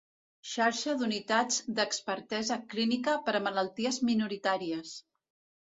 Xarxa d'unitats d'expertesa clínica per a malalties minoritàries.